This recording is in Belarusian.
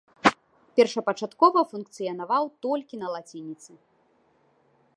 Першапачаткова функцыянаваў толькі на лацініцы.